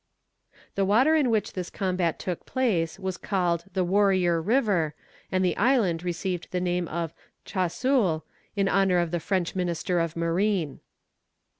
The water in which this combat took place was called the Warrior River, and the island received the name of Choiseul, in honour of the French Minister of Marine.